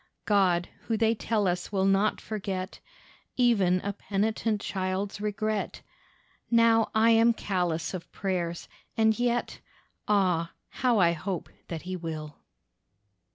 God who they tell us will not forget Even a penitent child's regret! Now I am callous of prayers, and yet— Ah, how I hope that He will.